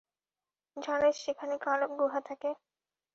জানিস সেখানে কালো গুহা থাকে!